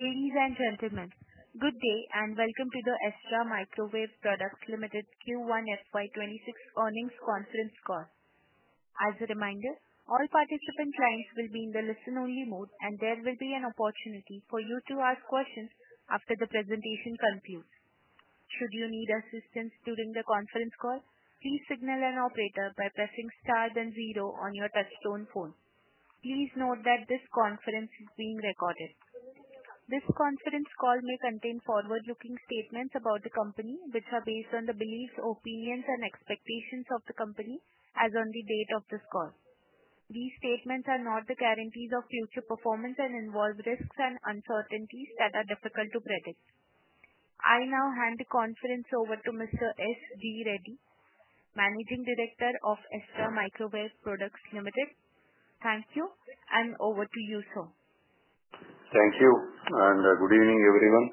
Ladies and gentlemen, good day and welcome to the Astra Microwave Products Limited's Q1 FY26 earnings conference call. As a reminder, all participant lines will be in the listen-only mode, and there will be an opportunity for you to ask questions after the presentation concludes. Should you need assistance during the conference call, please signal an operator by pressing star, then zero on your touchtone phone. Please note that this conference is being recorded. This conference call may contain forward-looking statements about the company, which are based on the beliefs, opinions, and expectations of the company as on the date of this call. These statements are not the guarantees of future performance and involve risks and uncertainties that are difficult to predict. I now hand the conference over to Mr. S. Gurunatha Reddy, Managing Director of Astra Microwave Products Limited. Thank you, and over to you, sir. Thank you, and good evening, everyone.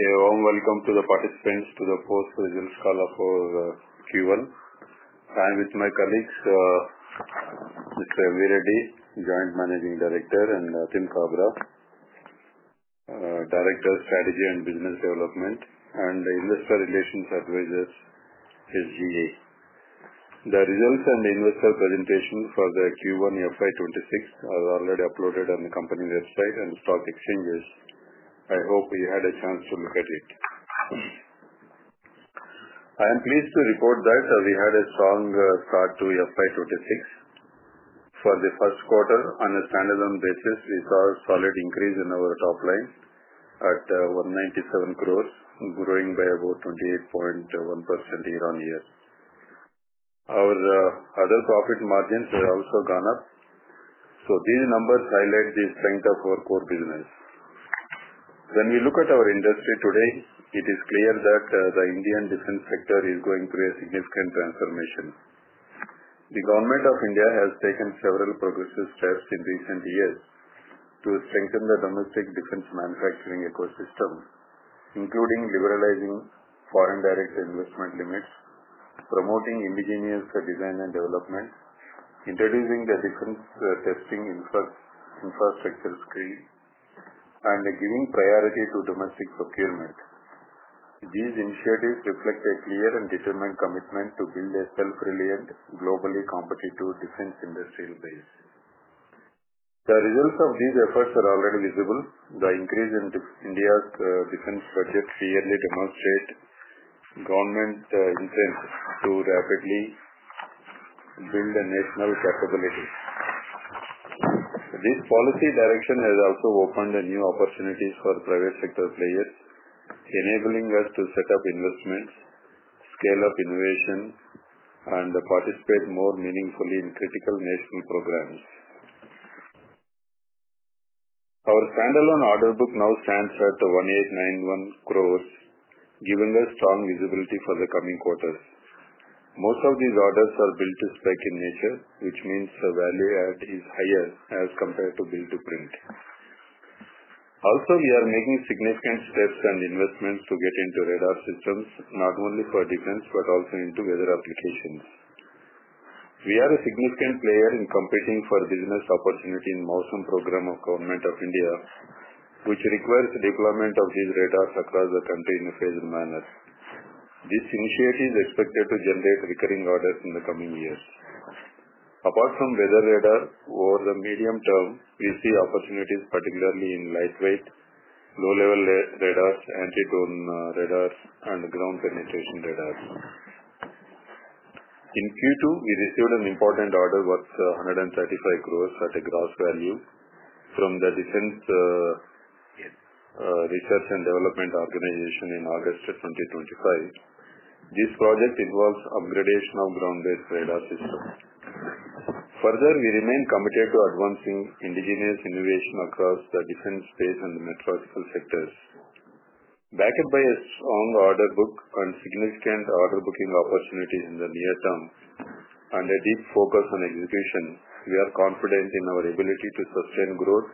You're all welcome to the participants to the fourth virtual call of Q1. I'm with my colleagues Mr. M. V. Reddy, Joint Managing Director, and Atim Kabra, Director of Strategy and Business Development, and the Investor Relations Advisor, S. Gurunatha Reddy. The results from the investor presentation for the Q1 FY2026 are already uploaded on the company website and stock exchanges. I hope you had a chance to look at it. I am pleased to report that we had a strong start to FY2026. For the first quarter, on a standalone basis, we saw a solid increase in our top lines at 197 crore, growing by about 28.1% year-on-year. Our other profit margins have also gone up. These numbers highlight the strength of our core business. When we look at our industry today, it is clear that the Indian defense sector is going through a significant transformation. The Government of India has taken several progressive steps in recent years to strengthen the domestic defense manufacturing ecosystem, including liberalizing foreign direct investment limits, promoting indigenous design and development, introducing the defense testing infrastructure scale, and giving priority to domestic procurement. These initiatives reflect a clear and determined commitment to build a self-reliant, globally competitive defense industrial base. The results of these efforts are already visible. The increase in India's defense budget clearly demonstrates government's intent to rapidly build a national capability. The policy direction has also opened new opportunities for private sector players, enabling us to set up investments, scale up innovations, and participate more meaningfully in critical national programs. Our standalone order book now stands at 1,891 crore, giving us strong visibility for the coming quarters. Most of these orders are built to spec in nature, which means the value add is higher as compared to built to print. Also, we are making significant steps and investments to get into radar systems, not only for defense but also into weather applications. We are a significant player in competing for a business opportunity in the Project Mawsum program of the Government of India, which requires the deployment of these radars across the country in a phased manner. This initiative is expected to generate recurring orders in the coming years. Apart from weather radar, over the medium term, we see opportunities, particularly in lightweight low-level radars, anti-drone radars, and ground penetration radars. In Q2, we received an important order worth 135 crore at a gross value from the Defense Research and Development Organization in August 2025. This project involves upgradation of ground-based radar systems. Further, we remain committed to advancing indigenous innovation across the defense space and the metropolitan sectors. Backed by a strong order book and significant order booking opportunities in the near term and a deep focus on execution, we are confident in our ability to sustain growth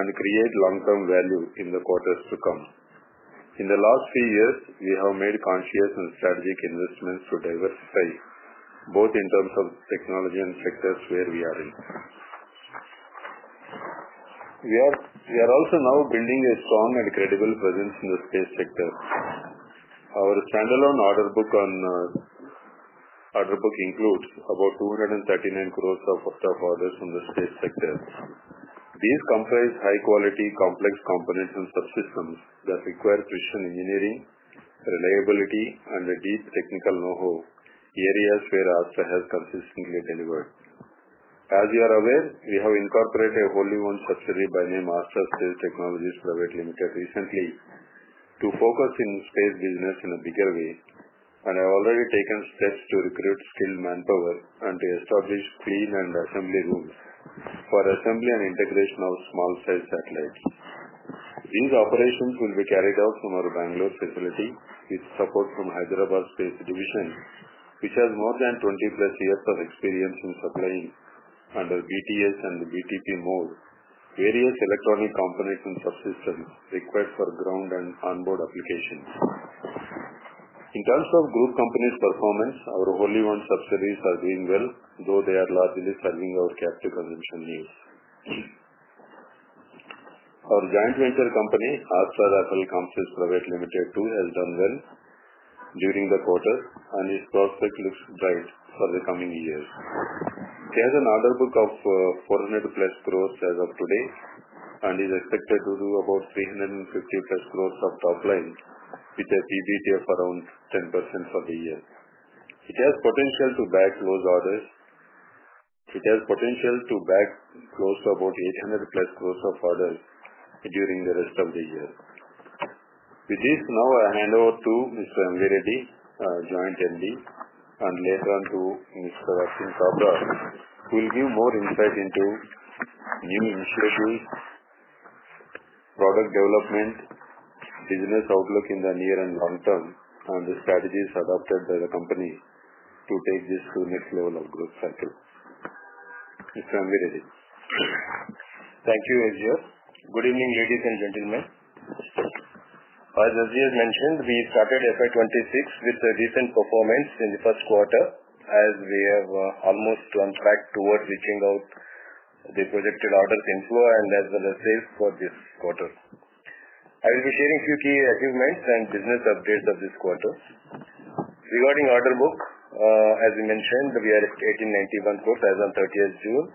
and create long-term value in the quarters to come. In the last few years, we have made conscious and strategic investments to diversify, both in terms of technology and sectors where we are in. We are also now building a strong and credible presence in the space sector. Our standalone order book includes about 239 crore of orders from the space sector. These comprise high-quality, complex combinations of systems that require traditional engineering, reliability, and a deep technical know-how, areas where Astra has consistently delivered. As you are aware, we have incorporated a wholly owned facility by name Astra Space Technologies Private Limited recently to focus in space business in a bigger way, and have already taken steps to recruit skilled manpower and to establish clean and assembly rooms for assembly and integration of small-sized satellites. These operations will be carried out from our Bangalore facility with support from Hyderabad Space Division, which has more than 20-plus years of experience in supplying under BTS and BTP mode various electronic combinations of systems required for ground and onboard applications. In terms of group companies' performance, our wholly owned subsidiaries are doing well, though they are largely selling our captive consumption needs. Our joint venture company, Astra Rafael Comsys Private Limited, too, has done well during the quarter and is prospect drives for the coming years. It has an order book of 400-plus crore as of today and is expected to do about 350-plus crore of top lines with a PBT of around 10% for the year. It has potential to back those orders. It has potential to back close to about 800-plus crore of orders during the rest of the year. It is now a handover to Mr. M. V. Reddy, Joint Managing Director, and later on to Mr. Rashin Sabra, who will give more insight into new initiatives, product development, and business outlook in the near and long term on the strategies adopted by the company to take this to the next level of growth cycle. Mr. M. V. Reddy, thank you as well. Good evening, ladies and gentlemen. As Rajeev mentioned, we started FY26 with a decent performance in the first quarter, as we are almost on track towards reaching out the projected order inflow as well as sales for this quarter. I will be sharing a few key achievements and business updates of this quarter. Regarding order book, as we mentioned, we are at 1,891 crore as of 30th June,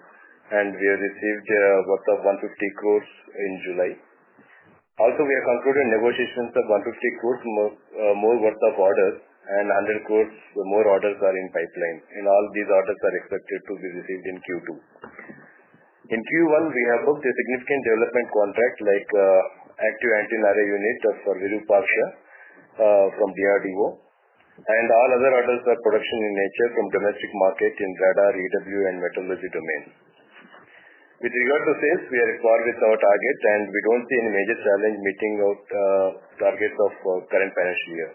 and we have received a worth of 150 crore in July. Also, we are concluding negotiations of 150 crore more worth of orders and 100 crore more orders are in pipeline. In all, these orders are expected to be received in Q2. In Q1, we have booked a significant development contract like active anti-drone units for Lulu Paksha from DRDO, and all other orders are production in nature from domestic markets in radar, EW, and metallurgy domain. With regard to sales, we are aligned with our target, and we don't see any major challenge meeting our targets of current financial year.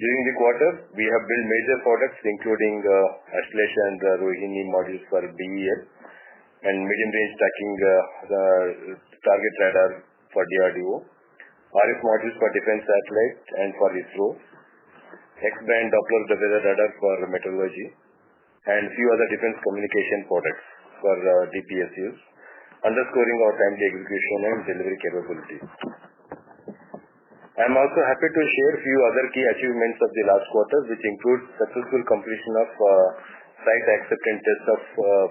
During the quarter, we have built major products, including ATLAS and Rohini modules for BEL and medium-range tracking target radar for DRDO, RF modules for defense satellites and for EFROS, X-band Doppler-based radar for metallurgy, and a few other defense communication products for DPSUs, underscoring our timely execution and delivery capability. I am also happy to share a few other key achievements of the last quarter, which include successful completion of site acceptance tests of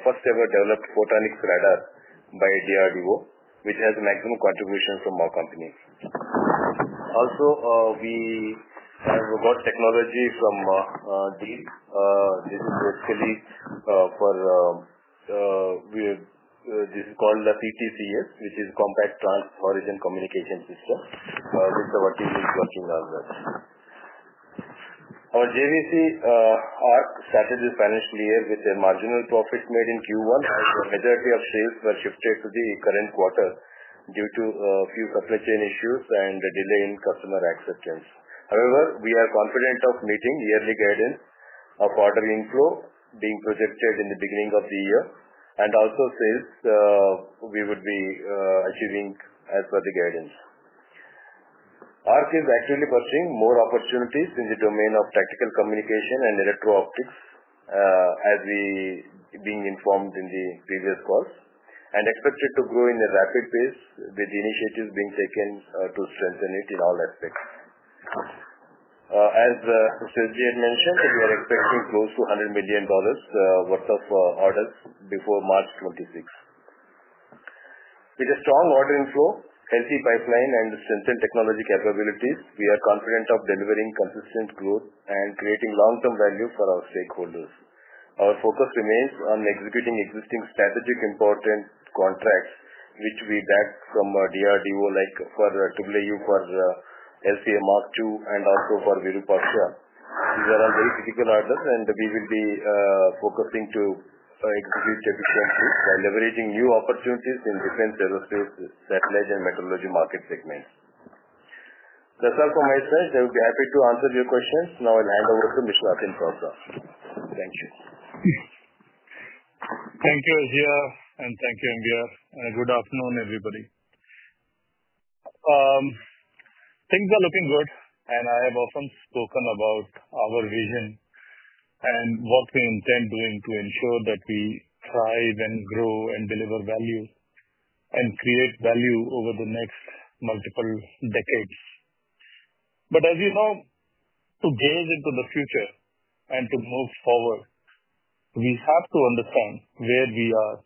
first-ever developed photonics radar by DRDO, which has a maximum contribution from our companies. Also, we have got technology from DEAL. This is called the CTCS, which is a compact transhorizon communication system, where we're currently working on that. Our JVC, our strategy finance clear with marginal profits made in Q1, as the majority of sales were shifted to the current quarter due to a few supply chain issues and the delay in customer acceptance. However, we are confident of meeting yearly guidance, a part of the inflow being projected in the beginning of the year, and also sales, we would be achieving as per the guidance. ARC is actually pursuing more opportunities in the domain of tactical communication and electro-optics, as we have been informed in the previous calls, and expected to grow at a rapid pace with the initiatives being taken to strengthen it in all aspects. As Rajeev mentioned, we are expecting close to $100 million worth of orders before March 2026. With a strong order inflow, healthy pipeline, and strengthened technology capabilities, we are confident of delivering consistent growth and creating long-term value for our stakeholders. Our focus remains on executing existing strategically important contracts, which we bag from DRDO, like for Tableau for SCM Mark II and also for Lulu Paksha. These are all very critical orders, and we will be focusing to execute efficiently by leveraging new opportunities in defense, aerospace, satellite, and metallurgy market segments. That's all from my side. I would be happy to answer your questions. Now I'll hand over to Mr. Atim Kabra. Thank you, Ajay, and thank you, India, and good afternoon, everybody. Things are looking good, and I have often spoken about our vision and what we intend to do to ensure that we thrive and grow and deliver value and create value over the next multiple decades. As you know, to gaze into the future and to move forward, we have to understand where we are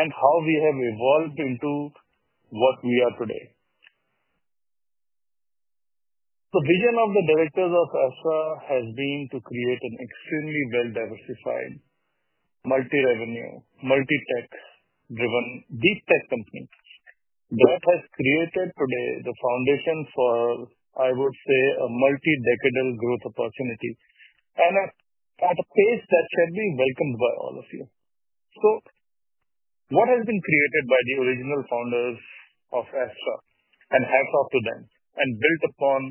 and how we have evolved into what we are today. The vision of the Directors of Astra has been to create an extremely well-diversified, multi-revenue, multi-tech-driven, deep-tech company that has created today the foundation for, I would say, a multi-decadal growth opportunity and at a pace that can be welcomed by all of you. What has been created by the original founders of Astra, and hats off to them, and built upon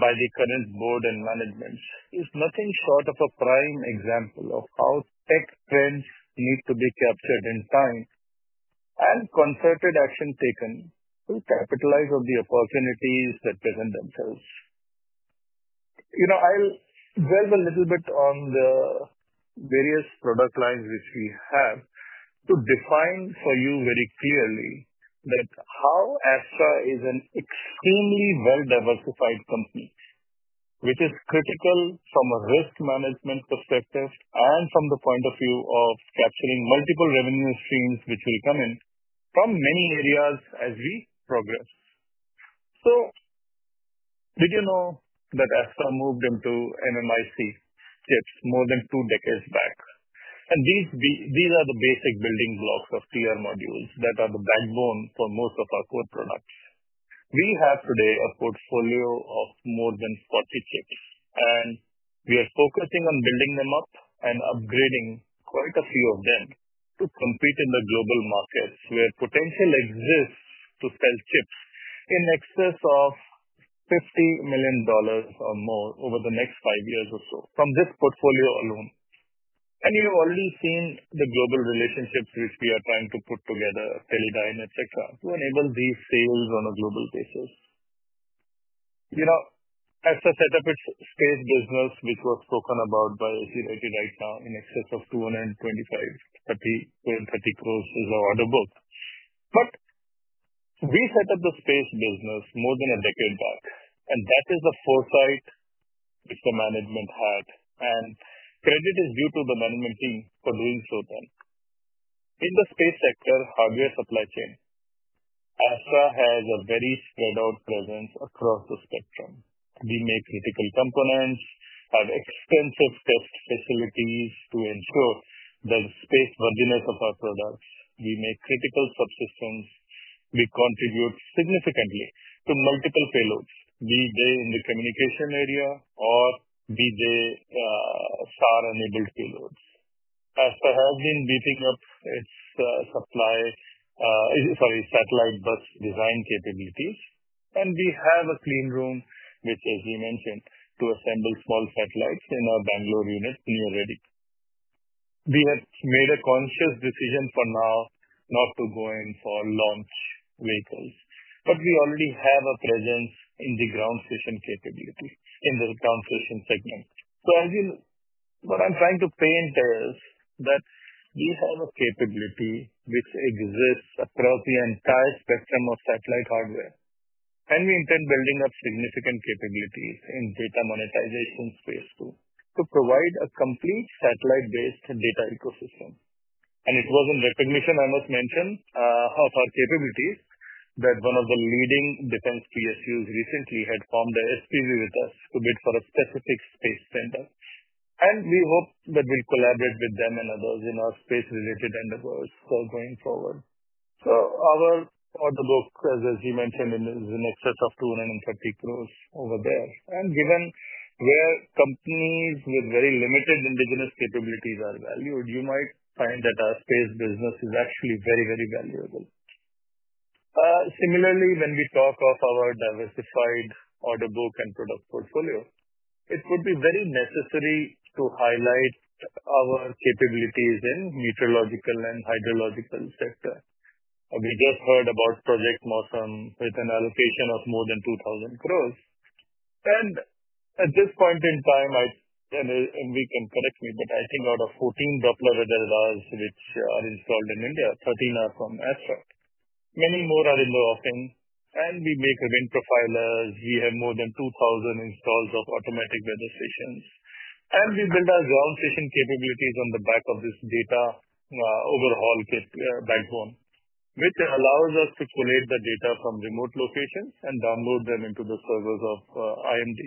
by the current Board and management is nothing short of a prime example of how tech trends need to be captured in time and concerted action taken to capitalize on the opportunities that present themselves. I'll delve a little bit on the various product lines which we have to define for you very clearly that how Astra is an extremely well-diversified company, which is critical from a risk management perspective and from the point of view of capturing multiple revenue streams which will come in from many areas as we progress. Did you know that Astra moved into MMIC chips more than two decades back? These are the basic building blocks of TR modules that are the backbone for most of our core products. We have today a portfolio of more than 40 chips, and we are focusing on building them up and upgrading quite a few of them to compete in the global markets where potential exists to sell chips in excess of $50 million or more over the next five years or so from this portfolio alone. You have already seen the global relationships which we are trying to put together, Teledyne, etc., to enable these sales on a global basis. Astra set up its space business, which was spoken about by Rajeev right now, in excess of 225.3 crore is our order book. We set up the space business more than a decade back, and that is the foresight which the management had, and credit is due to the management team for doing so then. In the space sector hardware supply chain, Astra has a very spread-out presence across the spectrum. We make critical components, have extensive test facilities to ensure the space virginess of our products. We make critical subsystems. We contribute significantly to multiple payloads, be they in the communication area or be they star-enabled payloads. Astra has been beefing up its satellite bus design capabilities, and we have a clean room, which, as we mentioned, to assemble small satellites in our Bangalore unit near Reddy. We have made a conscious decision for now not to go in for launch vehicles, but we already have a presence in the ground station capability in the ground station segment. What I'm trying to paint is that we have a capability which exists across the entire spectrum of satellite hardware, and we intend building up significant capability in data monetization space too to provide a complete satellite-based data ecosystem. It was in recognition, I must mention, of our capabilities that one of the leading defense PSUs recently had formed an STD with us to bid for a specific space vendor, and we hope that we'll collaborate with them and others in our space-related endeavors going forward. Our order book, as you mentioned, is in excess of 230 crore over there. Given where companies with very limited indigenous capabilities are valued, you might find that our space business is actually very, very valuable. Similarly, when we talk of our diversified order book and product portfolio, it would be very necessary to highlight our capabilities in meteorological and hydrological sector. We just heard about Project Mawsum with an allocation of more than 2,000 crore. At this point in time, I, and we can correct me, but I think out of 14 Doppler radars which are installed in India, 13 are from Astra. Many more are in the offering, and we make wind profilers. We have more than 2,000 installs of automatic weather stations, and we build our ground station capabilities on the back of this data overhaul backbone, which allows us to collate the data from remote locations and download them into the servers of IMD.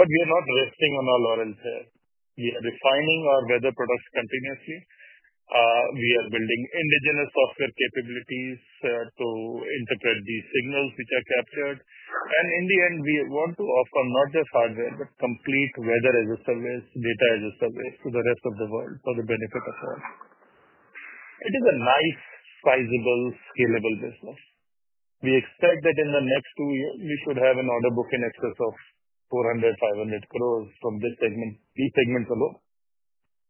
We are not resting on our laurels here. We are refining our weather products continuously. We are building indigenous software capabilities to interpret these signals which are captured. In the end, we want to offer not just hardware, but complete weather as a service, data as a service to the rest of the world for the benefit of all. It is a nice, sizable, scalable business. We expect that in the next two years, you should have an order book in excess of 400 crore, 500 crore from these segments alone.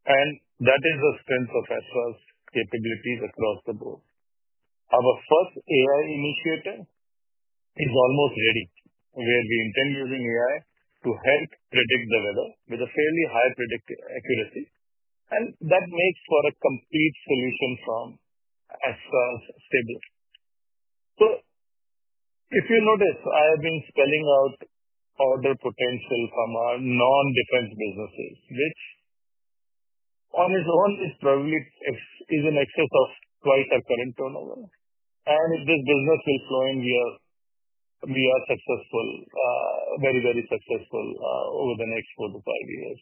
That is the strength of Astra's capabilities across the board. Our first AI initiative is almost ready, where we intend using AI to help predict the weather with a fairly high predictive accuracy. That makes for a complete solution from Astra's stables. If you notice, I have been spelling out all the potential from our non-defense businesses, which on its own is probably in excess of twice our current turnover. If this business is growing, we are successful, very, very successful over the next four to five years.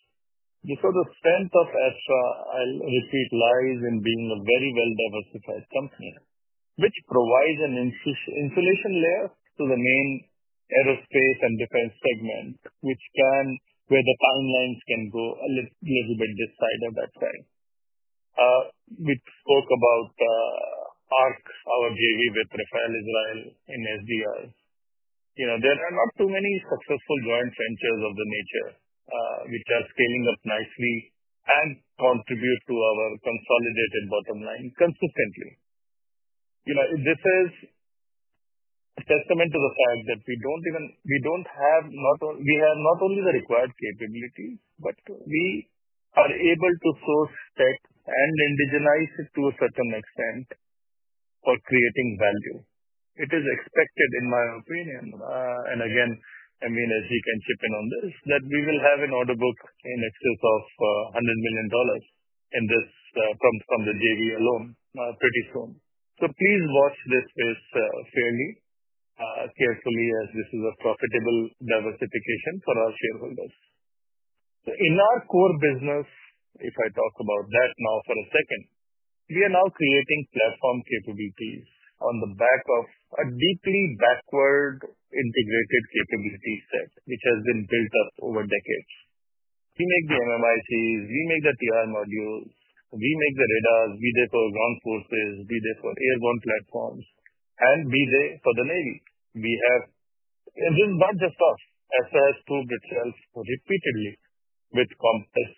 You saw the strength of Astra. I'll repeat, lies in being a very well-diversified company, which provides an insulation layer to the main aerospace and defense segment, where the timelines can go a little bit decided at times. We spoke about ARC, our JV with Rafael Israel in SDR. There are not too many successful joint ventures of the nature, which are scaling up nicely and contribute to our consolidated bottom line consistently. This is a testament to the fact that we don't even, we don't have not only, we have not only the required capability, but we are able to source tech and indigenize it to a certain extent for creating value. It is expected, in my opinion, and again, I mean, as you can chip in on this, that we will have an order book in excess of $100 million in this from the JV alone pretty soon. Please watch this fairly carefully as this is a profitable diversification for our shareholders. In our core business, if I talk about that now for a second, we are now creating platform capabilities on the back of a deeply backward integrated capability set, which has been built up over decades. We make the MMIC chips, we make the TR modules, we make the radars, be they for ground forces, be they for airborne platforms, and be they for the Navy. We have, and it's not just us. Astra Microwave Products Limited has proved itself repeatedly with complex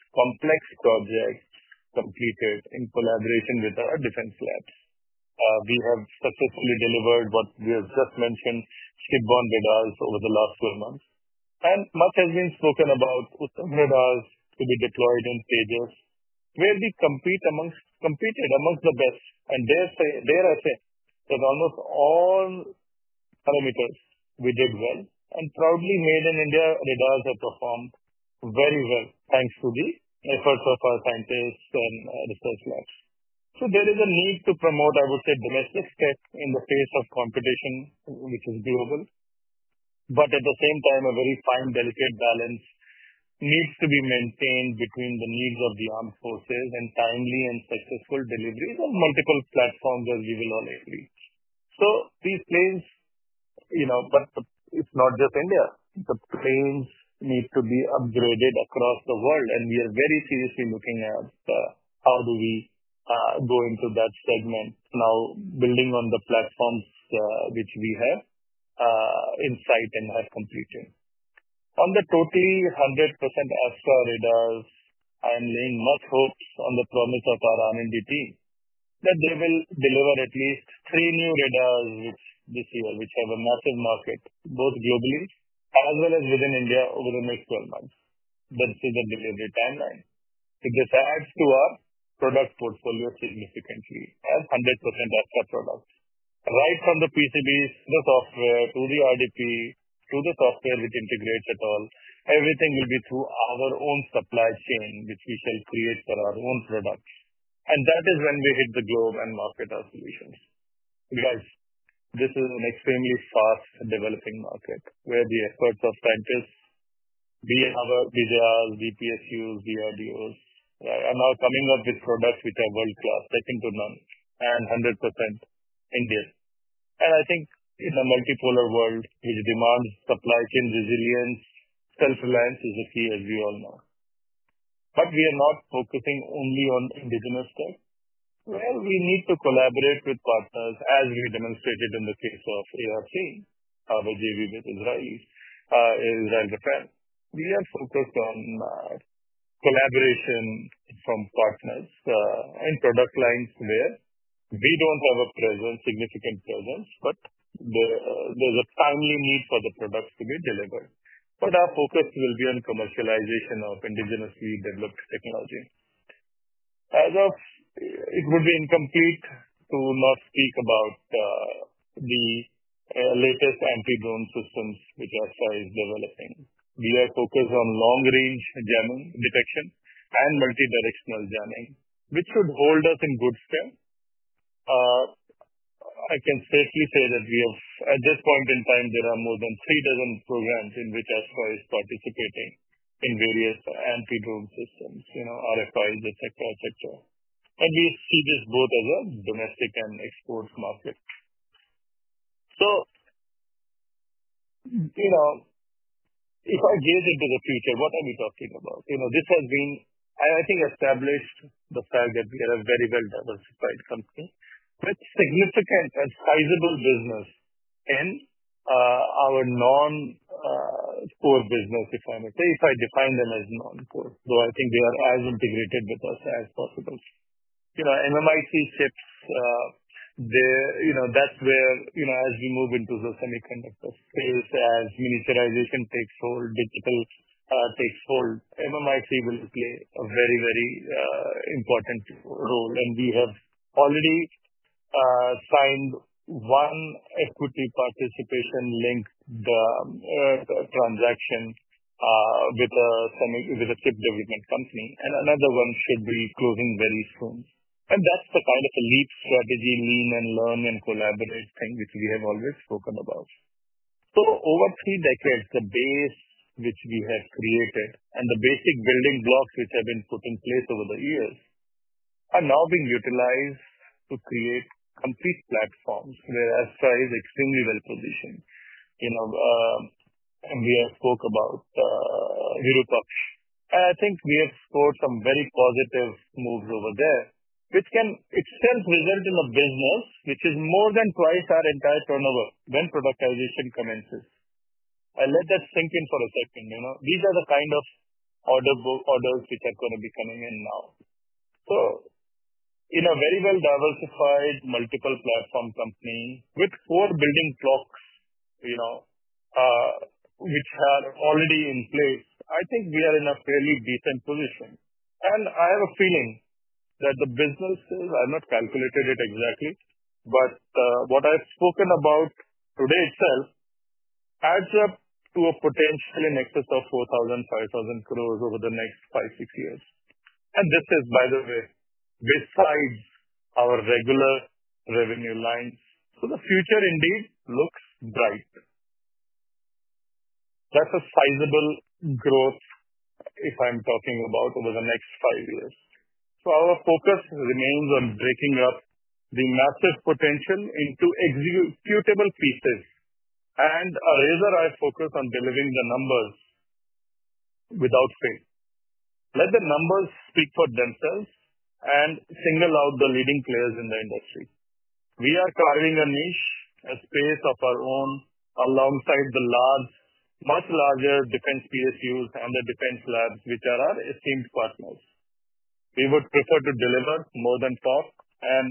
projects completed in collaboration with our defense labs. We have successfully delivered what we have just mentioned, shipborne radars over the last 12 months. Much has been spoken about radars to be deployed in stages, where we competed amongst the best. Dare I say, there are saying that almost all parameters, we did well. Proudly made in India, radars have performed very well, thanks to the efforts of our scientists and research labs. There is a need to promote, I would say, domestic tech in the face of competition, which is global. At the same time, a very fine, delicate balance needs to be maintained between the needs of the armed forces and timely and successful deliveries on multiple platforms as we will all age. These plays, you know, but it's not just India. The planes need to be upgraded across the world, and we are very seriously looking at how do we go into that segment now, building on the platforms which we have in sight and have completed. On the totally 100% Astra Microwave Products Limited radars, I'm laying much hopes on the promise of our R&D team that they will deliver at least three new radars, which this year, which have a massive market, both globally as well as within India over the next 12 months. Let's see the delivery timeline. This adds to our product portfolio significantly and 100% of our products. Right from the PCBs, the software, to the RDP, to the software which integrates it all, everything will be through our own supply chain, which we shall create for our own products. That is when we hit the globe and market our solutions. This is an extremely fast developing market where the efforts of scientists, be it our BDRs, BPSUs, DRDOs, are now coming up with products which are world-class, second to none, and 100% Indian. I think in a multipolar world, which demands supply chain resilience, self-reliance is a key, as we all know. We are not focusing only on indigenous tech. We need to collaborate with partners, as we demonstrated in the case of ARC, our JV with Israel, Israel Defense. We are focused on collaboration from partners and product lines where we don't have a significant presence, but there's a timely need for the products to be delivered. Our focus will be on commercialization of indigenously developed technology. It would be incomplete to not speak about the latest anti-drone systems which Astra Microwave Products Limited is developing. We are focused on long-range jamming detection and multidirectional jamming, which should hold us in good stead. I can safely say that at this point in time, there are more than three dozen programs in which Astra is participating in various anti-drone systems, RFIs, etc. We see this both as a domestic and export market. If I gaze into the future, what are we talking about? This has been, I think, established as the fact that we are a very well-diversified company with significant and sizable business in our non-core business, if I may. I define them as non-core, though I think they are as integrated with us as possible. MMIC chips, that's where, as we move into the semiconductor space, as miniaturization takes hold, digital takes hold, MMIC will play a very, very important role. We have already signed one equity participation linked transaction with a chip development company, and another one should be closing very soon. That's the kind of elite strategy, lean and learn and collaborative thing which we have always spoken about. Over three decades, the base which we have created and the basic building blocks which have been put in place over the years are now being utilized to create complete platforms where Astra is extremely well positioned. We have spoken about Europa. I think we have scored some very positive moves over there, which can itself result in a business which is more than twice our entire turnover when productization commences. I let that sink in for a second. These are the kind of orders which are going to be coming in now. In a very well-diversified multiple platform company with four building blocks which are already in place, I think we are in a fairly decent position. I have a feeling that the businesses, I've not calculated it exactly, but what I've spoken about today itself adds up to a potential in excess of 4,000, 5,000 crore over the next five, six years. This is, by the way, besides our regular revenue lines. The future indeed looks bright. That's a sizable growth if I'm talking about over the next five years. Our focus remains on breaking up the massive potential into executable pieces and a razor-eyed focus on delivering the numbers without faith. Let the numbers speak for themselves and single out the leading players in the industry. We are covering a niche space of our own alongside the large, much larger defense PSUs and the defense labs, which are our esteemed partners. We would prefer to deliver more than talk, and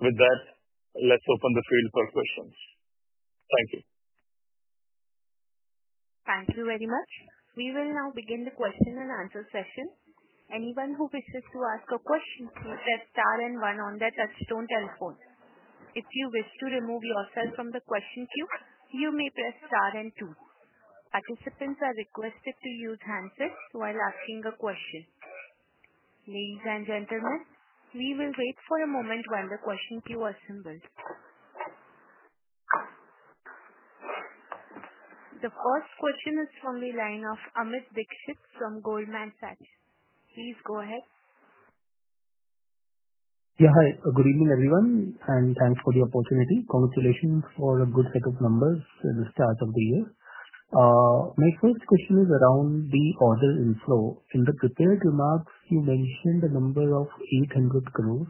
with that, let's open the field for questions. Thank you. Thank you very much. We will now begin the question and answer session. Anyone who wishes to ask a question, please press star and one on the touchstone telephone. If you wish to remove yourself from the question queue, you may press star and two. Participants are requested to use handsets while asking a question. Ladies and gentlemen, we will wait for a moment while the question queue assembles. The first question is from the line of Amit Dixit from Goldman Sachs. Please go ahead. Yeah, hi. Good evening, everyone, and thanks for the opportunity. Congratulations for a good set of numbers in the start of the year. My first question is around the order inflow. In the prepared remarks, you mentioned a number of 800 crore.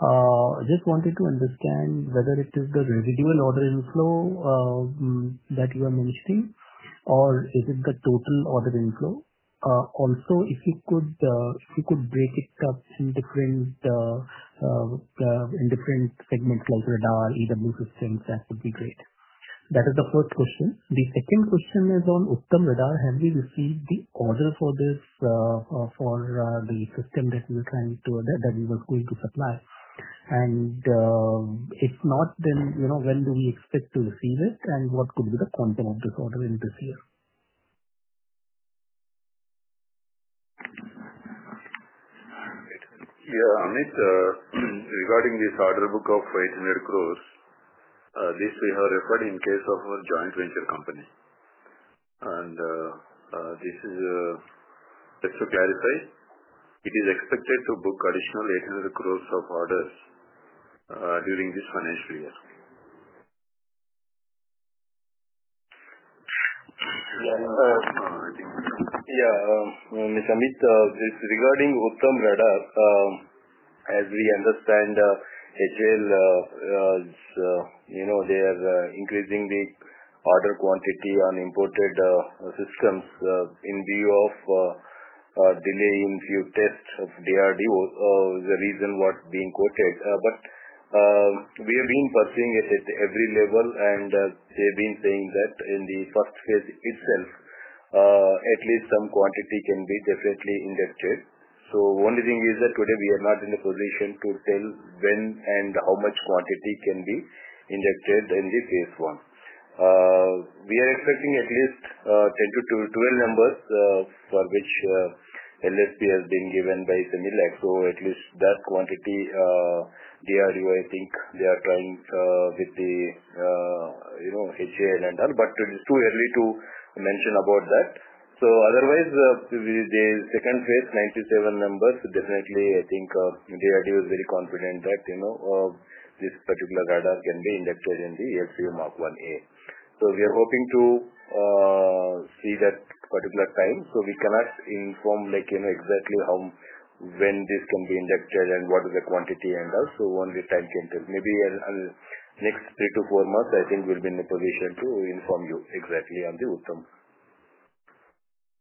I just wanted to understand whether it is the residual order inflow that you are mentioning, or is it the total order inflow? Also, if you could break it up into different segments like radar, EW systems, that would be great. That is the first question. The second question is on Uttam Radar. Have we received the order for this, for the system that we were trying to, that we were going to supply? If not, then, you know, when do we expect to receive this and what could be the content of this order in this year? Your honor, regarding this order book of 800 crore, this we have referred to in case of a joint venture company. Just to clarify, it is expected to book additional 800 crore of orders during this financial year. Yeah, it is. Yeah. Mr. Atim, regarding Uttam Radar, as we understand, Bharat Electronics Limited, you know, they are increasing the order quantity on imported systems in view of delaying few tests of DRDO is the reason what's being quoted. We have been pursuing it at every level, and they've been saying that in the first phase itself, at least some quantity can be definitely injected. One of the things is that today we are not in the position to tell when and how much quantity can be injected in the phase one. We are expecting at least 10 to 12 numbers for which LST has been given by Similac. At least that quantity, DRDO, I think they are trying with Hindustan Aeronautics Limited and all, but too early to mention about that. Otherwise, the second phase, 9 to 7 numbers, definitely, I think DRDO is very confident that, you know, this particular radar can be injected in the HVMARK 1A. We are hoping to see that particular time. We cannot inform, like, you know, exactly how when this can be injected and what is the quantity and all. Only time can tell. Maybe in the next three to four months, I think we'll be in the position to inform you exactly on the Uttam.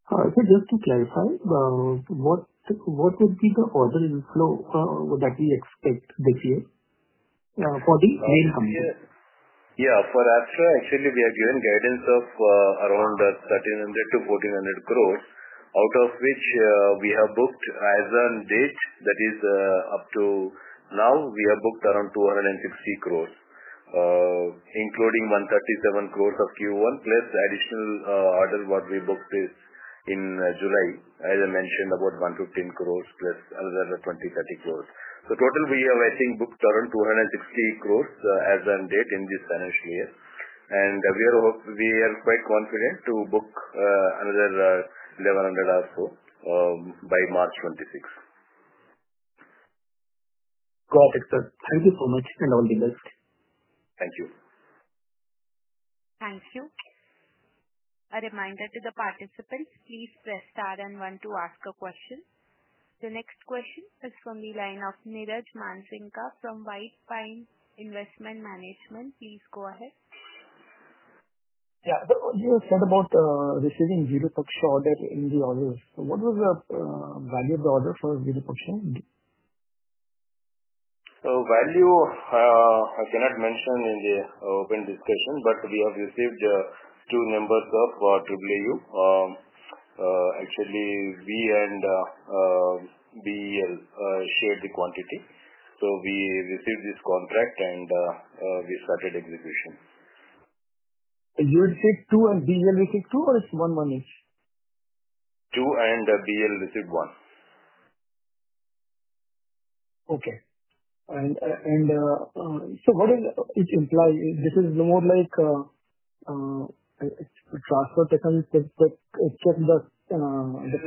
All right. Just to clarify, about what would be the order inflow that we expect this year for the main company? Yeah. For Astra, actually, we have given guidance of around 1,300 to 1,400 crore, out of which we have booked as on date, that is up to now, we have booked around 250 crore, including 137 crore of Q1, plus additional orders we booked in July, as I mentioned, about 115 crore plus another 20 or 30 crore. Total, we have, I think, booked around 250 crore as on date in this financial year. We are quite confident to book another 1,100 crore or so by March 2026. Perfect. Thank you so much, and all the best. Thank you. Thank you. A reminder to the participants, please press star and one to ask a question. The next question is from the line of Niraj Manzinga from Whitespine Investment Management. Please go ahead. Yeah, you have thought about receiving Lulu Paksha order in the order. What was the value of the order for Lulu Paksha? Value, I cannot mention in the open discussion, but we have received two numbers of Tableau. Actually, we and Bharat Electronics Limited shared the quantity. We received this contract, and we started execution. received two and Bharat Electronics Limited received two, or it's one-one each? Two and Bharat Electronics Limited received one. Okay. What does it imply? This is more like a transfer technology test. Is it just the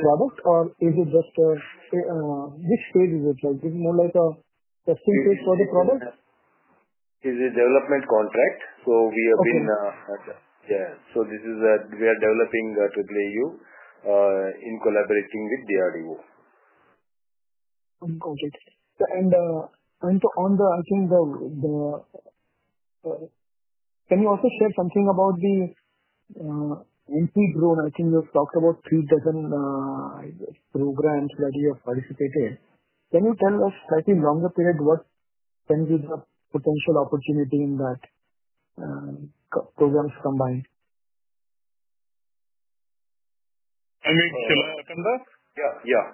products, or is it just which phase is it? Like it's more like a testing phase for the product? It's a development contract. We have been developing Tableau in collaboration with DRDO. Okay. Can you also share something about the anti-drone radar? You've talked about three dozen programs where you have participated. Can you tell us, over a longer period, what can be the potential opportunity in those programs combined? Should I open this? Yeah, yeah.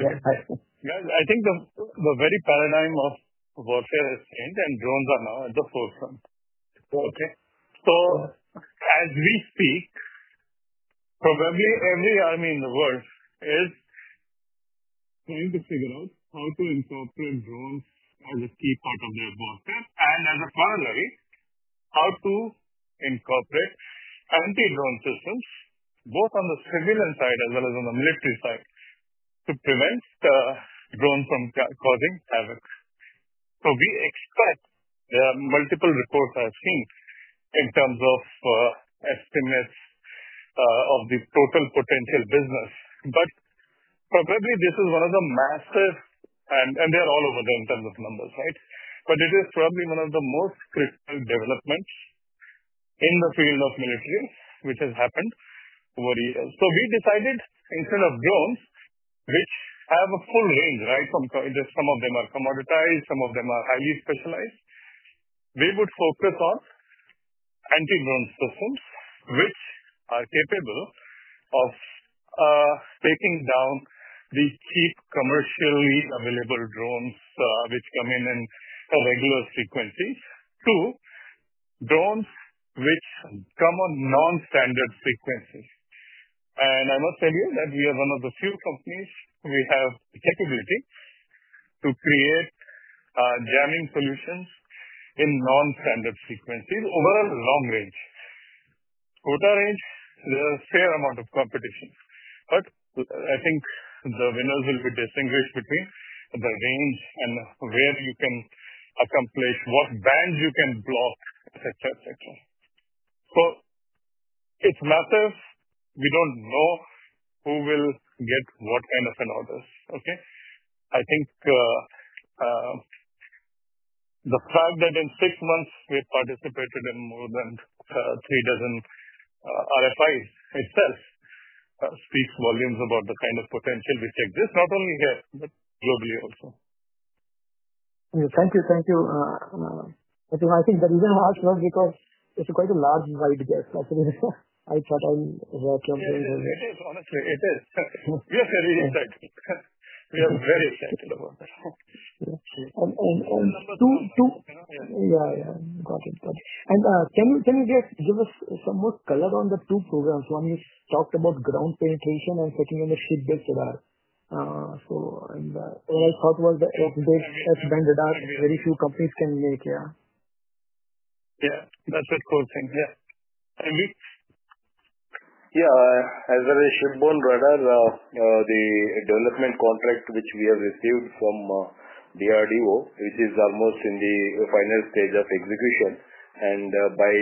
Guys, I think the very paradigm of warfare has changed, and drones are now at the forefront. Okay. As we speak, probably every army in the world is trying to figure out how to incorporate drones as a key part of their warfare, and as a parallel, how to incorporate anti-drone systems, both on the civilian side as well as on the military side, to prevent the drone from causing havoc. We expect there are multiple reports I've seen in terms of estimates of the total potential business. Probably, this is one of the massive, and they are all over there in terms of numbers, right? It is probably one of the most critical developments in the field of military, which has happened over years. We decided instead of drones, which have a full range, right? Some of them are commoditized. Some of them are highly specialized. We would focus on anti-drone systems, which are capable of taking down the cheap, commercially available drones which come in in a regular frequency, to drones which come on non-standard frequencies. I must tell you that we are one of the few companies we have the capability to create jamming solutions in non-standard frequencies. Overall, long range. Quarter range, there's a fair amount of competition. I think the winners will be distinguished between the range and where you can accomplish, what bands you can block, etc., etc. It matters, we don't know who will get what kind of an order, okay? I think the fact that in six months, we participated in more than three dozen RFIs itself speaks volumes about the kind of potential which exists, not only here, but globally also. Thank you. Thank you. I think the reason why I asked was because it's quite a large, wide guest of the year. I thought I'll welcome you to the. Honestly, it is. We are very excited about that. Got it. Can you just give us some more color on the two programs? One is talked about ground penetration, and the second one is seed-based radar. I thought about the order book as vendor that very few companies can make. Yeah, that's a cool thing. Yeah. Amit? Yeah. As a Shabban radar, the development contracts which we have received from DRDO, which is almost in the final stage of execution. By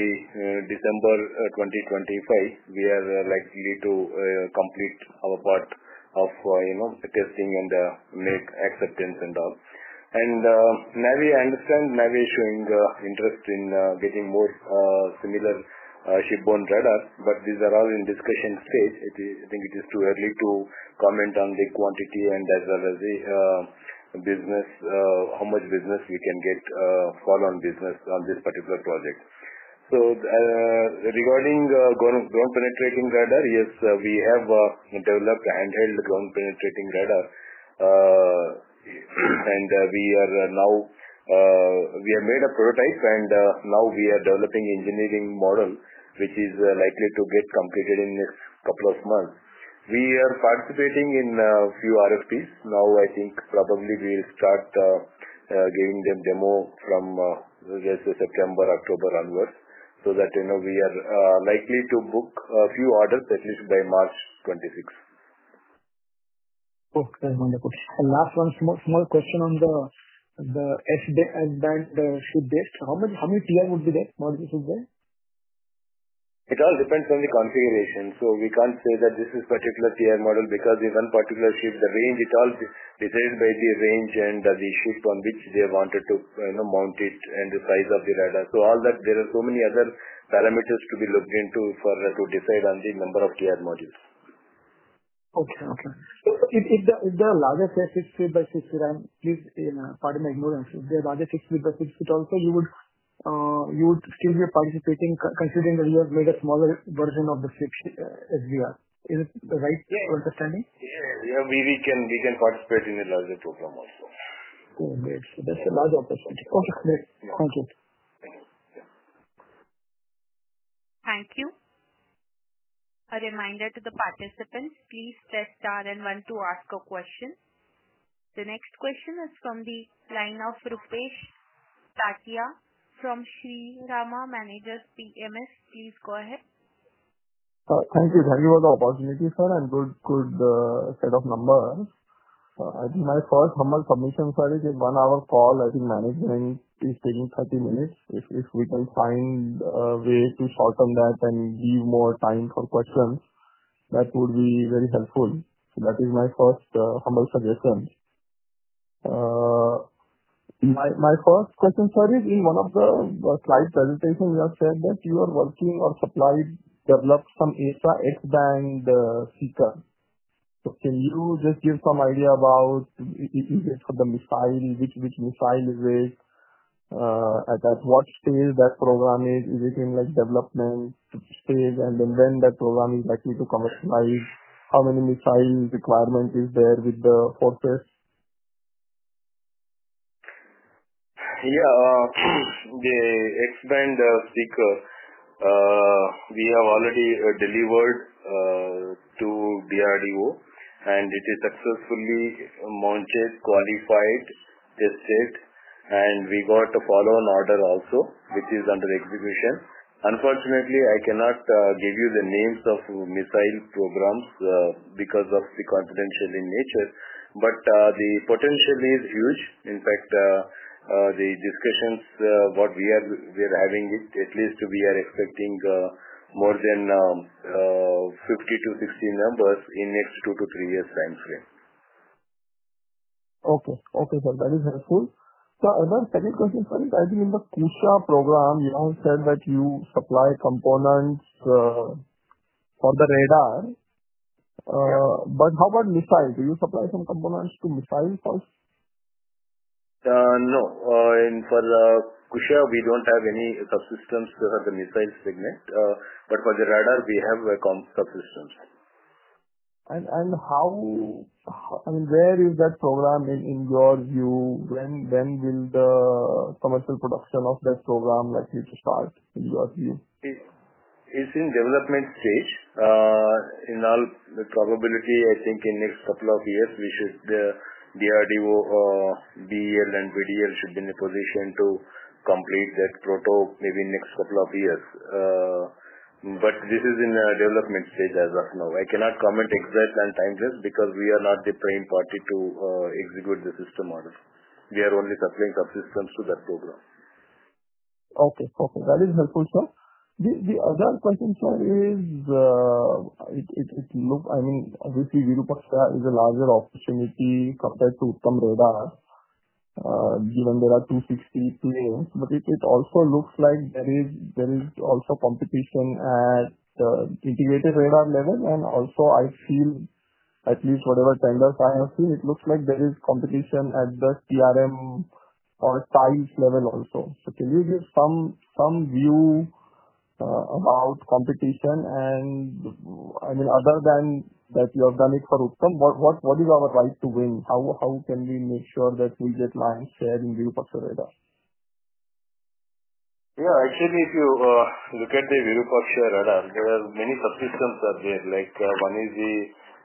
December 2025, we are likely to complete our part of, you know, testing and make acceptance and all. NavIC, I understand NavIC is showing interest in getting more similar Shabban radar, but these are all in discussion stage. I think it is too early to comment on the quantity and as well as the business, how much business we can get for on business on this particular project. Regarding drone penetrating radar, yes, we have developed a handheld drone penetrating radar. We have made a prototype, and now we are developing an engineering model, which is likely to get completed in the next couple of months. We are participating in a few RFPs. I think probably we start giving them demo from September, October onwards so that we are likely to book a few orders, at least by March 2026. Oh, that's wonderful. Last one, small question on the SD and then the seed-based. How much would be that module should weigh? It all depends on the configuration. We can't say that this is a particular PR model because it's on a particular ship. The range is all determined by the range and the ship on which they wanted to mount it and the size of the radar. There are so many other parameters to be looked into to decide on the number of PR modules. Oh, sure. If there are larger fixed-ship, ship-based ships, and please, pardon my ignorance, if there are larger fixed-ship, ship-based ships, also you would still be participating considering that you have made a smaller version of the fixed SDR? Is it right, your understanding? Yeah, we can participate in the larger program also. Oh, that's a larger opportunity. Okay. Thank you. A reminder to the participants, please press star and one to ask a question. The next question is from the line of Rupesh Patya from Sri Rama Managers PMS. Please go ahead. Thank you. Thank you for the opportunity, sir, and good set of numbers. I think my first humble commitment, sir, is in one-hour call. I think management is taking 30 minutes. If we can find a way to shorten that and give more time for questions, that would be very helpful. That is my first humble suggestion. My first question, sir, is in one of the slide presentations, you have said that you are working or supplied developed some AESA X-band seeker. Can you just give some idea about if you get the missile, which missile is it? At what stage that program is? Is it in like development stage? When that program is likely to commercialize? How many missile requirements is there with the fortress? Yeah. The X-band seeker, we have already delivered to DRDO, and it is successfully mounted, qualified, tested. We got a follow-on order also, which is under execution. Unfortunately, I cannot give you the names of missile programs because of the confidential in nature. The potential is huge. In fact, the discussions what we are having, at least we are expecting more than 50 to 60 numbers in the next two to three years' time frame. Okay. That is helpful. Another second question, sir. I think in the KUSHA program, you all said that you supply components for the radar. How about missile? Do you supply some components to missile first? No. For KUSHA, we don't have any subsystems for the missile segment. For the radar, we have COMP subsystems. Where is that program in your view? When will the commercial production of that program, let's say, start in your view? It's in development stage. In all probability, I think in the next couple of years, we should, the DRDO, BEL, and VDL should be in the position to complete that prototype maybe in the next couple of years. This is in a development stage as of now. I cannot comment exactly on time zones because we are not the prime party to execute the system on it. We are only supplying subsystems to that program. Okay. Okay. That is helpful, sir. The other question, sir, is, I mean, obviously, Lulu Paksha is a larger opportunity compared to Uttam Radar, given there are 262 names. It also looks like there is competition at the integrated radar level. I feel, at least whatever tenders I have seen, it looks like there is competition at the CRM or styles level also. Can you give some view about competition? I mean, other than that you have done it for Uttam, what is our right to win? How can we make sure that we get lion's share in Lulu Paksha radar? Yeah. Actually, if you look at the Lulu Paksha radar, there are many subsystems out there. Like one is the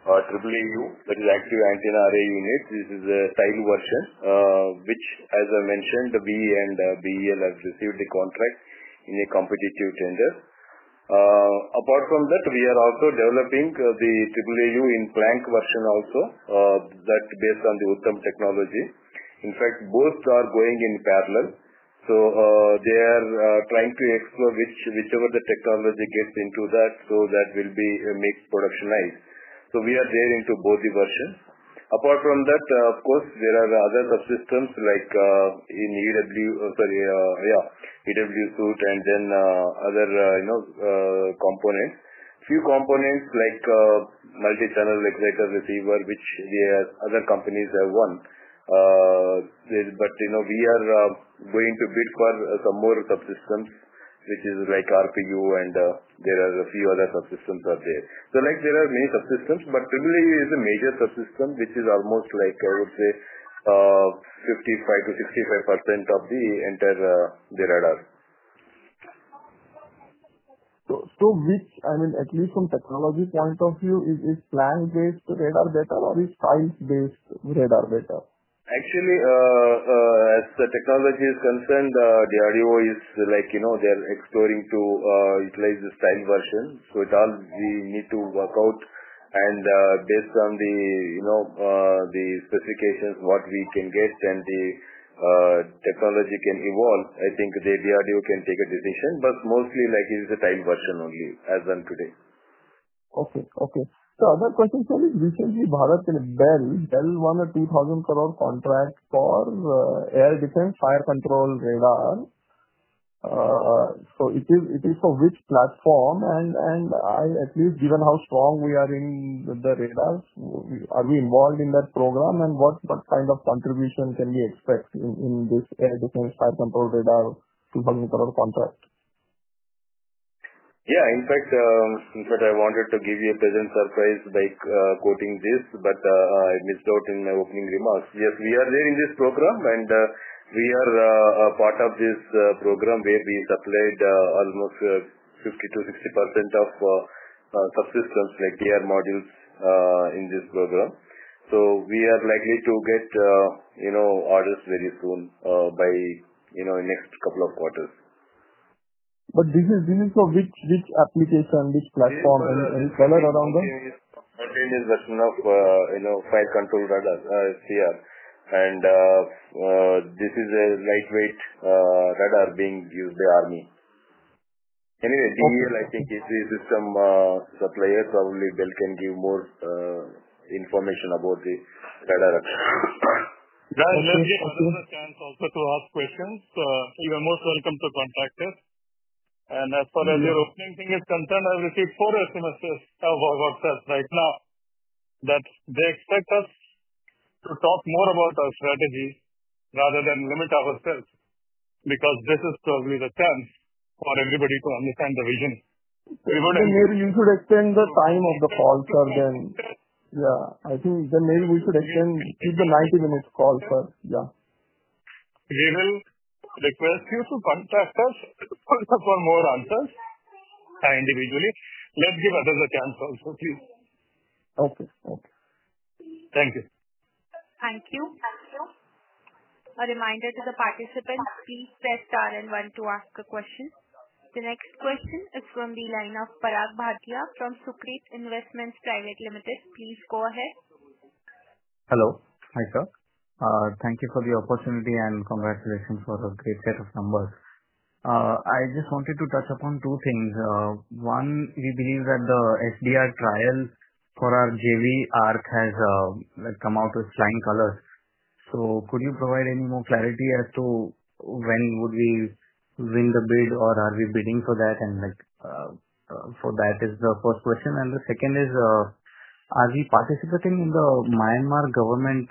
Tableau, which is Active Anti-NRA unit. This is a tiny version, which, as I mentioned, we and Bharat Electronics Limited have received the contract in a competitive tender. Apart from that, we are also developing the Tableau in plank version also. That's based on the Uttam technology. In fact, both are going in parallel. They are trying to explore whichever the technology gets into that, so that will be a mixed production line. We are training to both the versions. Apart from that, of course, there are other subsystems like in EW, sorry, yeah, EW suite, and then other components. Few components like multi-channel executor receiver, which other companies have won. You know we are going to bid for some more subsystems, which is like RPU, and there are a few other subsystems out there. There are many subsystems, but Tableau is a major subsystem, which is almost like, I would say, 55- 65% of the entire radar. I mean, at least from a technology point of view, is this plan-based radar better or is style-based radar better? Actually, as the technology is concerned, DRDO is, like, you know, they're exploring to utilize the style version. It all we need to work out, and based on the specifications, what we can get and the technology can evolve, I think the DRDO can take a decision. Mostly, it is a style version only as of today. Okay. Another question, sir. Recently, Bharat Electronics Limited and BEL received an INR 1,000 crore or 2,000 crore contract for Air Defense Fire Control Radar. It is for which platform? Given how strong we are in radar, are we involved in that program? What kind of contribution can we expect in this Air Defense Fire Control Radar contract? Yeah. In fact, I wanted to give you a pleasant surprise by quoting this, but I missed out in my opening remarks. Yes, we are there in this program, and we are a part of this program. We have been supplied almost 50%- 60% of subsystems like TR modules in this program. We are likely to get orders very soon by the next couple of quarters. This is for which application, which platform, and tell us around that. I think that's enough. You know, fire control radar is here, and this is a lightweight radar being used by the army. Anyway, I think this is some supplier. Probably Bharat Electronics Limited can give more information about the radar action. Guys, let's give us a chance also to ask questions. You are most welcome to contact us. As far as your opening thing is concerned, I've received four SMSs of our workers right now that they expect us to talk more about our strategy rather than limit ourselves because this is probably the chance for everybody to understand the vision. Everybody. Maybe you should extend the time of the call, sir. I think then maybe we should extend, keep the 90 minutes call, sir. Yeah. We will request you to contact us for more answers individually. Let's give others a chance also, please. Okay. Okay. Thank you. Thank you. Thank you. A reminder to the participants, please press star and one to ask a question. The next question is from the line of Parag Bhatia from Sukrit Investments Private Limited. Please go ahead. Hello. Thank you for the opportunity and congratulations for a great set of numbers. I just wanted to touch upon two things. One, we believe that the SDR trials for our JV ARC have come out with flying colors. Could you provide any more clarity as to when we would win the bid or are we bidding for that? That is the first question. The second is, are we participating in the Myanmar government,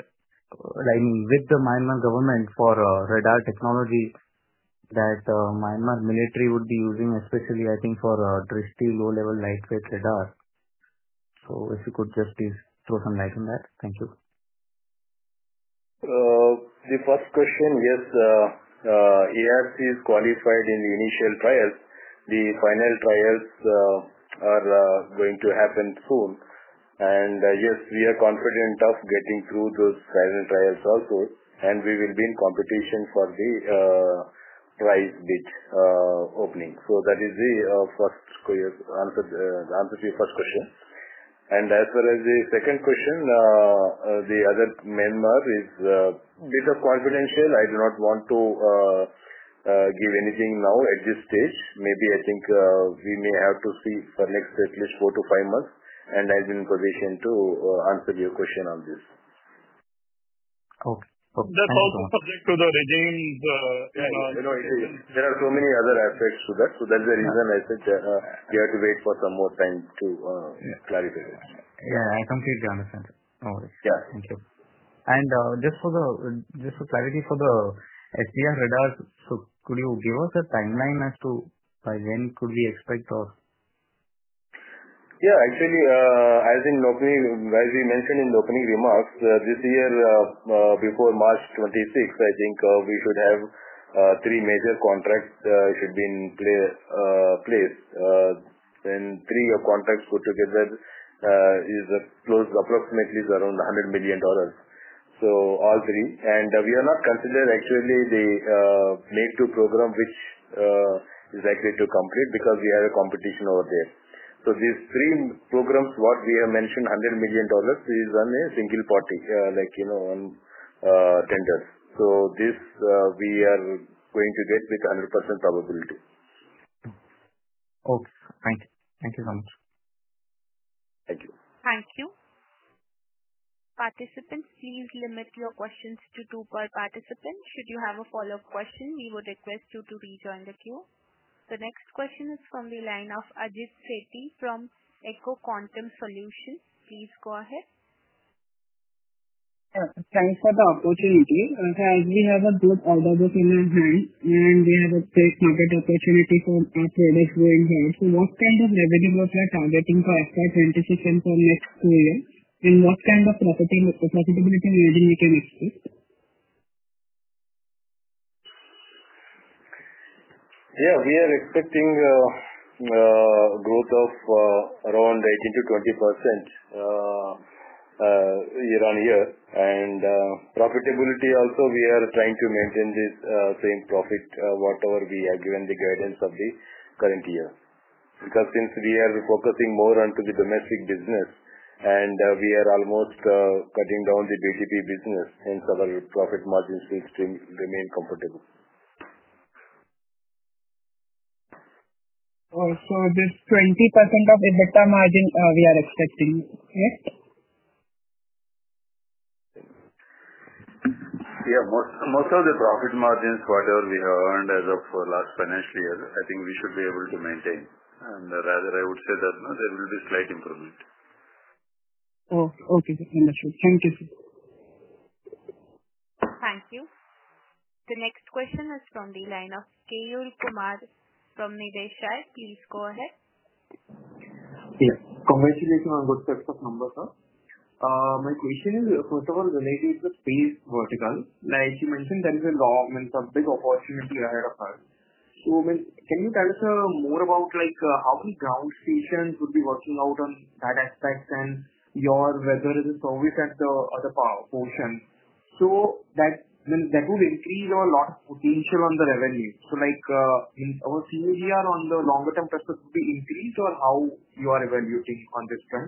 I mean, with the Myanmar government for radar technology that the Myanmar military would be using, especially, I think, for a trusty low-level lightweight radar? If you could just throw some light on that. Thank you. The first question, yes, ARC is qualified in the initial trials. The final trials are going to happen soon. Yes, we are confident of getting through those final trials also, and we will be in competition for the price bid opening. That is the first answer to your first question. As far as the second question, the other matter is a bit confidential. I do not want to give anything now at this stage. Maybe I think we may have to see for the next at least four to five months, and I'm in a position to answer your question on this. Okay. That's also talking to the regimes. There are so many other aspects to that. That's the reason I said we have to wait for some more time to clarify those. Yeah, I completely understand. No worries. Thank you. Just for clarity for the SDR radars, could you give us a timeline as to by when could we expect or? Actually, as we mentioned in the opening remarks, this year, before March 26, I think we should have three major contracts in place. Three contracts put together are close to approximately $100 million. All three, and we have not considered the major program which is likely to complete because we have a competition over there. These three programs, what we have mentioned, $100 million is on a single party, like, you know, on tender. We are going to get this with 100% probability. Okay, thank you. Thank you so much. Thank you. Thank you. Participants, please limit your questions to two-part participants. Should you have a follow-up question, we would request you to rejoin the queue. The next question is from the line of Ajit Sethy from Eiko Quantum Solutions. Please go ahead. Thanks for the opportunity. As we have a good order of work in our hands, and we have a place-minded opportunity for our credits going ahead, what kind of revenue groups are targeting to acquire 2026 and from next quarter, and what kind of profitability measurement can we expect? Yeah. We are expecting a growth of around 18%- 20% year-on-year. Profitability also, we are trying to maintain the same profit whatever we have given the guidance of the current year because since we are focusing more onto the domestic business, and we are almost cutting down the BTP business, our profit margin seems to remain comfortable. This 20% of EBITDA margin, we are expecting, okay? Most of the profit margins, whatever we earned as of last financial year, I think we should be able to maintain. I would say that there will be a slight improvement. Oh, okay. Understood. Thank you, sir. Thank you. The next question is from the line of K. L. Kumar from Nideshar. Please go ahead. Yes. Congratulations on a good set of numbers, sir. My question is, first of all, related to the space vertical. Like you mentioned, there is a long and subject opportunity ahead of us. Can you tell us more about like how many ground stations would be working out on that aspect and your weather as a service at the other portion? That would increase our loss potential on the revenue. Like in our CAGR on the longer-term practice would be increased or how you are evaluating on this plan?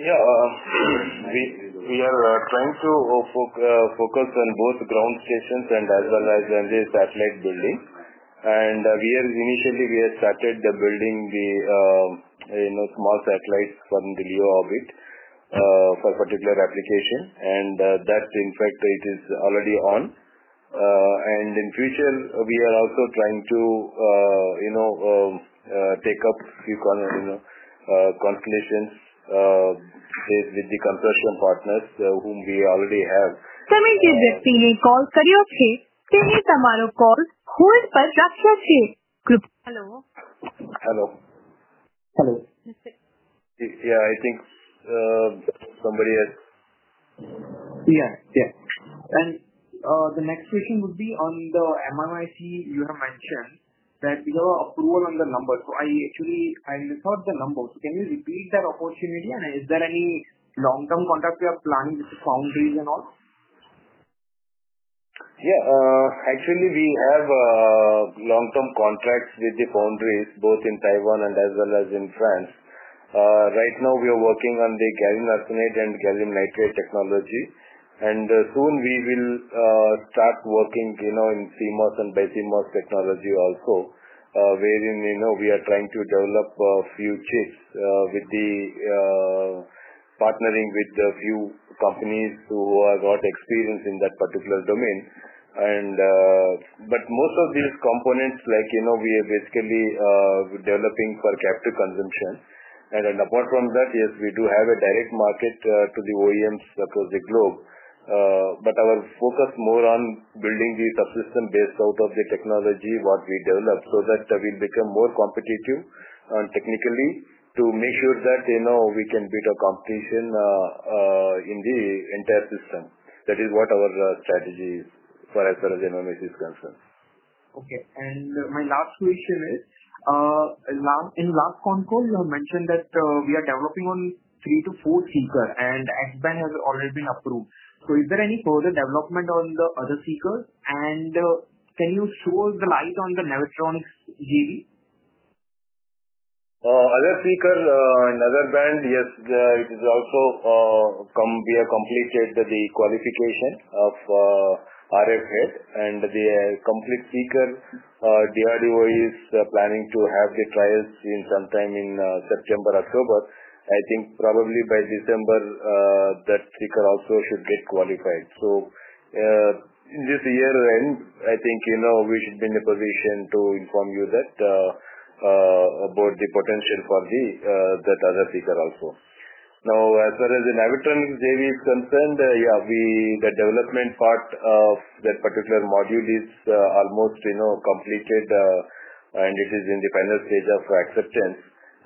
Yeah. We are trying to focus on both ground stations as well as the satellite building. Initially, we have started building the, you know, small satellites from the LEO orbit for a particular application. In fact, it is already on. In the future, we are also trying to, you know, take up a few conclusions with the consortium partners whom we already have. The person you have called has put your call on hold. Please wait. Hello? Hello. I think somebody had. Yeah. The next question would be on the MMIC. You have mentioned your approval on the numbers. I thought the numbers. Can you repeat that opportunity? Is there any long-term contract you have planned with the foundries and all? Yeah. Actually, we have long-term contracts with the foundries, both in Taiwan and as well as in France. Right now, we are working on the gallium arsenide and gallium nitride technology. Soon, we will start working, you know, in CMOS and BiCMOS technology also, wherein we are trying to develop futures with partnering with a few companies who have a lot of experience in that particular domain. Most of these components, like, you know, we are basically developing for captive consumption. Apart from that, yes, we do have a direct market to the OEMs across the globe, but our focus is more on building these subsystems based out of the technology we develop. We want to become more competitive and technically to make sure that, you know, we can beat our competition in the entire system. That is what our strategy is for as far as the numbers are concerned. Okay. My last question is, in the last phone call, you mentioned that we are developing on three to four seekers, and X-band has already been approved. Is there any further development on the other seekers? Can you show us the market on the NEVTRON GV? Other seekers, another brand, yes, it is also, we have completed the qualification of RFS, and the complete seeker. DRDO is planning to have the trials sometime in September, October. I think probably by December, that seeker also should get qualified. In this year's end, I think, you know, we should be in a position to inform you about the potential for that other seeker also. Now, as far as the NEVTRON GV is concerned, the development part of that particular module is almost completed, and this is in the final stage of acceptance.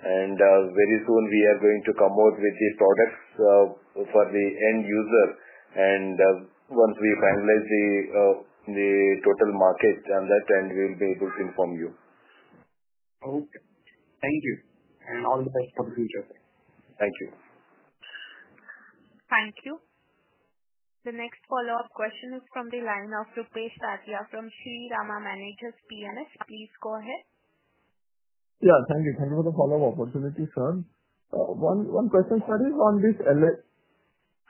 Very soon, we are going to come out with these products for the end user. Once we finalize the total market on that end, we'll be able to inform you. Okay. Thank you. All the best for the future, sir. Thank you. Thank you. The next follow-up question is from the line of Rupesh Patya from Sri Rama Managers PMS. Please go ahead. Thank you. Thank you for the follow-up opportunity, sir. One question, sir, is on this LL,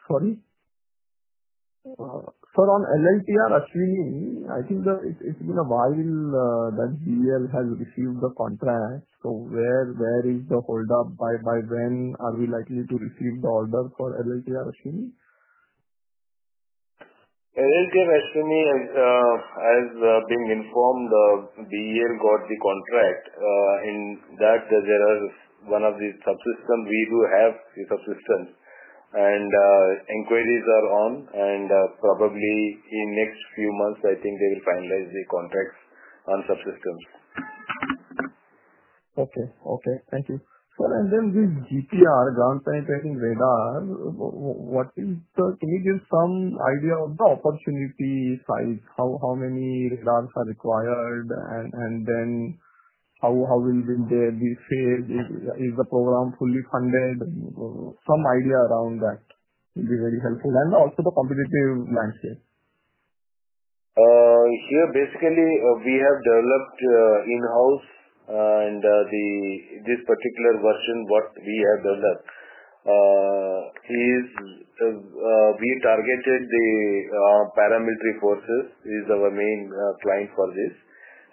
sorry, sir, on LLTR Ashwini. I think it's been a while that GL has received the contract. Where is the holdup? By when are we likely to receive the order for LLTR Ashwini? LLTR Ashwini has been informed that Bharat Electronics Limited got the contract. In that, there is one of the subsystems. We do have the subsystems. Inquiries are on, and probably in the next few months, I think they will finalize the contracts on subsystems. Okay. Okay. Thank you. Sir, and then GPR, ground penetration radars, what is the, can you give some idea of the opportunity size? How many radars are required? How will they be saved? Is the program fully funded? Some idea around that would be very helpful. Also the competitive landscape. Yeah. Basically, we have developed in-house, and this particular version we have developed is targeted at the paramilitary forces. This is our main client for this.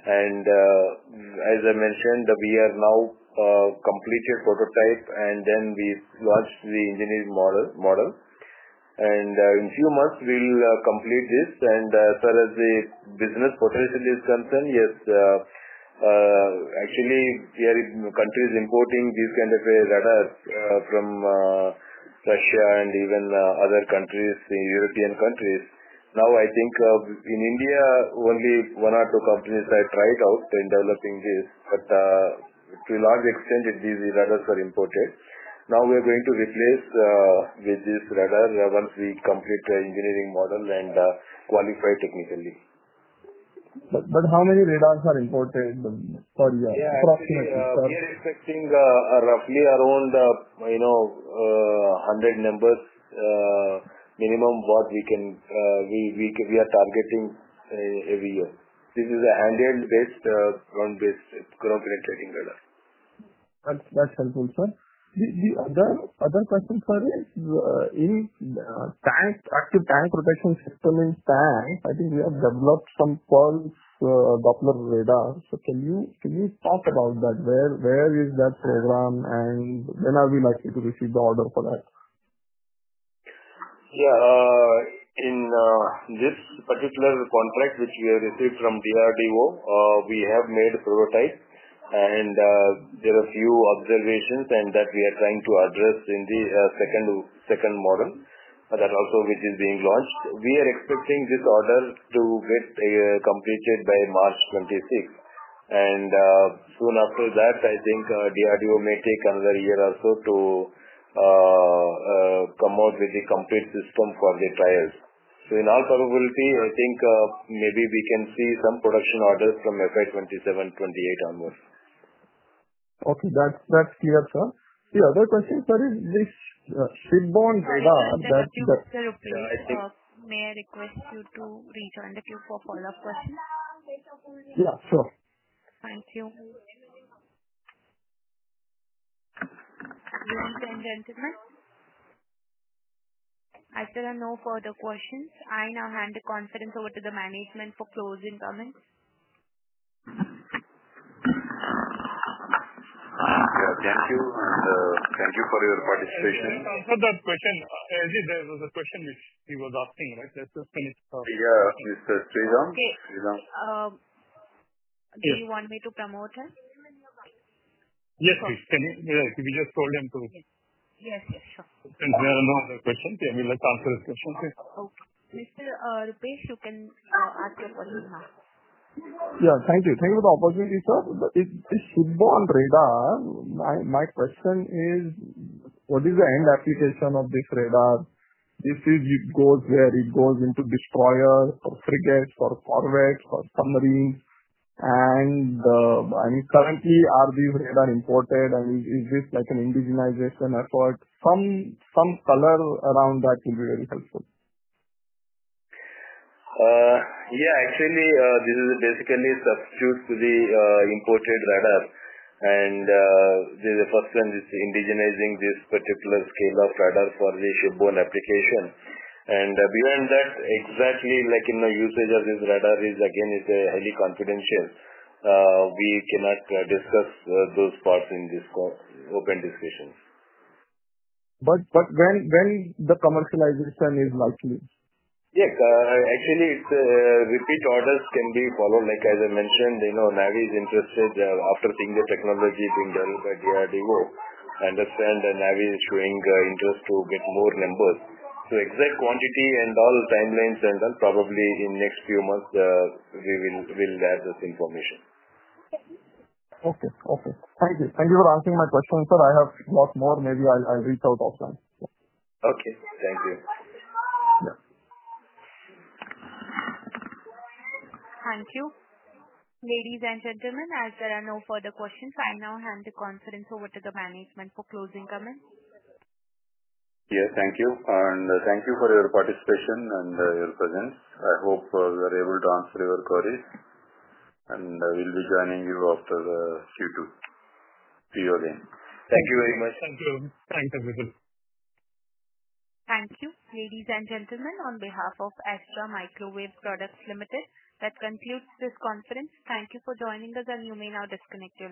As I mentioned, we have now completed the prototype, and we launched the engineering model. In a few months, we'll complete this. As far as the business potential is concerned, yes, actually, we are in countries importing these kinds of radars from Russia and even other countries, European countries. I think in India, only one or two companies have tried developing this, but to a large extent, these radars are imported. Now we are going to replace with this radar once we complete the engineering model and qualify technically. sir, how many radars are imported per year? We are expecting roughly around, you know, 100 numbers minimum what we can, we are targeting every year. This is a handheld-based ground-based ground penetration radar. That's helpful, sir. The other question, sir, is in the active tank protection system in tank, I think we have developed something called Doppler radar. Can you talk about that? Where is that program, and when are we likely to receive the order for that? Yeah. In this particular contract, which we have received from DRDO, we have made a prototype, and there are a few observations that we are trying to address in the second model that also is being launched. We are expecting this order to get completed by March 2026. After that, I think DRDO may take another year or so to come out with the complete system for the pilots. In all probability, I think maybe we can see some production orders from FY 2027-2028 onwards. Okay. That's clear, sir. The other question, sir, is this radar that. The customer requests you to rejoin the queue for follow-up questions. Yeah, sure. Thank you. One second, sir. After there are no further questions, I now hand the conference over to the management for closing comments. I have a question. Ajit, there was a question he was asking, right? Let's just finish. Yeah, Mr. Sriram. Yes, do you want me to promote him? Yes, sir. Can you, yeah, if you just call him too. Yes, yes, sure. Since there are no other questions, yeah, we'll let him answer his questions. Okay. Mr. Rupesh, you can answer what you have. Thank you. Thank you for the opportunity, sir. Shabban radar, my question is, what is the end application of this radar? Does it go into destroyers, frigates, corvettes, or submarines? Currently, are these radars imported? Is this an indigenization effort? Some color around that would be very helpful. Yeah. Actually, this is basically a substitute for the imported radar. This is the first time this is indigenizing this particular scale of radar for the Shabban application. Beyond that, exactly like in the usage of this radar, it's highly confidential. We cannot discuss those parts in this open discussion. When is the commercialization likely? Yes. Actually, it's repeat orders can be followed. Like as I mentioned, NavIC is interested in offering the technology being developed by DRDO. I understand NavIC is showing interest to get more numbers. Exact quantity and all timelines are done probably in the next few months. We will have the same information. Okay. Thank you. Thank you for answering my questions, sir. I have lots more. Maybe I'll reach out to them. Okay, thank you. Thank you. Ladies and gentlemen, as there are no further questions, I now hand the conference over to the management for closing comments. Yes, thank you. Thank you for your participation and your presence. I hope we were able to answer your queries. We'll be joining you after the Q2 period. Thank you very much. Thank you. Thank you, everybody. Thank you. Ladies and gentlemen, on behalf of Astra Microwave Products Limited, that concludes this conference. Thank you for joining us, and you may now disconnect.